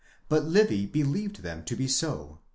But Livy believed them to be so.